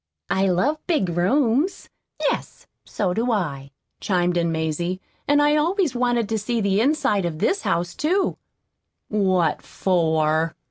"I love big rooms." "Yes, so do I," chimed in Mazie. "And I always wanted to see the inside of this house, too." "What for?"